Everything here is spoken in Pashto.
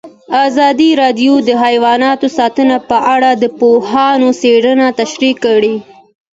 ازادي راډیو د حیوان ساتنه په اړه د پوهانو څېړنې تشریح کړې.